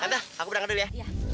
aduh aku berangkat dulu ya